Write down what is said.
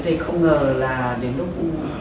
thế thì không ngờ là đến lúc